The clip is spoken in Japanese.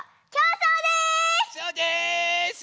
そうです！